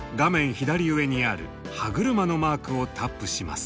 左上にある歯車のマークをタップします。